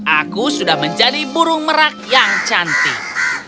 aku sudah menjadi burung merak yang cantik